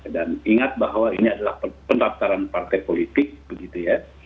dan ingat bahwa ini adalah pendaftaran partai politik begitu ya